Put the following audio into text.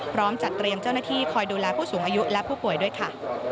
พร้อมจัดเตรียมเจ้าหน้าที่คอยดูแลผู้สูงอายุและผู้ป่วยด้วยค่ะ